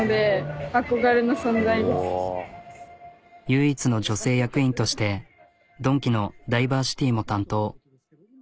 唯一の女性役員としてドンキのダイバーシティーも担当。